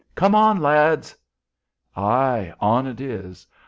"Come on, lads!" Ay, on it is!